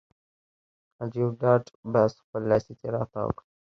انډریو ډاټ باس خپل لاسي څراغ تاو کړ